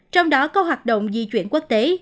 trong đó có hoạt động di chuyển quốc tế